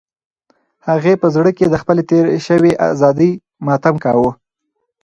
هغې په زړه کې د خپلې تېرې شوې ازادۍ ماتم کاوه.